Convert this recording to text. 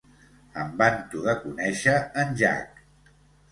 Em vanto de conèixer en Jack.